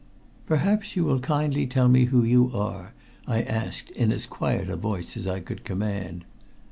"Perhaps you will kindly tell me who you are?" I asked in as quiet a voice as I could command.